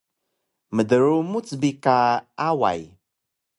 Mdrumuc bi ka Away